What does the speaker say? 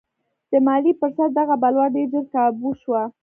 د مالیې پر سر دغه بلوا ډېر ژر کابو شوه.